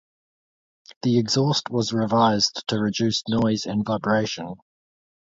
The exhaust was revised to reduce noise and vibration.